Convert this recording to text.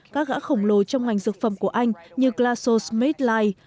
các gã khổng lồ trong ngành dược phẩm của anh như glaxosmithkline